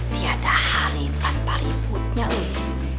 tidak ada hal tanpa ributnya weh